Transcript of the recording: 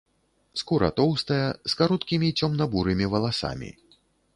Скура тоўстая, з кароткімі цёмна-бурымі валасамі.